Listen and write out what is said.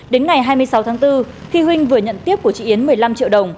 đến ngày hai mươi sáu tháng bốn khi huynh vừa nhận tiếp của chị yến một mươi năm triệu đồng